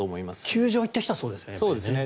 球場に行った人はそうですね。